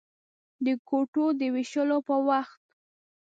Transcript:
د کوټو د وېشلو په وخت.